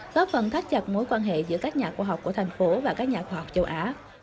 góp phần thắt chặt mối quan hệ giữa các nhà khoa học của thành phố và các nhà khoa học châu á